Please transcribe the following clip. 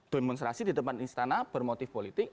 demonstrasi di depan istana bermotif politik